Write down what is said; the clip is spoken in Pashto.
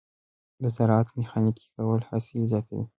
د زراعت ميخانیکي کول حاصل زیاتوي.